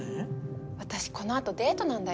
私この後デートなんだよ。